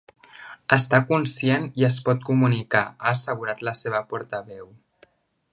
Està conscient i es pot comunicar, ha assegurat la seva portaveu.